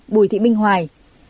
sáu mươi hai bùi thị minh hoài